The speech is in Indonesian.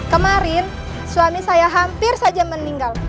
kemarin suami saya hampir saja meninggal